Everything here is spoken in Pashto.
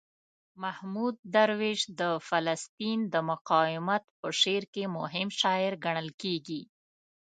محمود درویش د فلسطین د مقاومت په شعر کې مهم شاعر ګڼل کیږي.